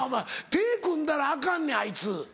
手組んだらアカンねんあいつ。